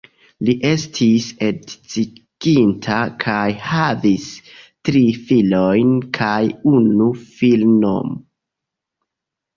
Li estis edziĝinta kaj havis tri filojn kaj unu filinon.